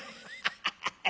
ハハハッ。